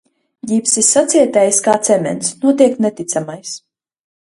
Ģipsis sacietējis kā cements, notiek neticamais.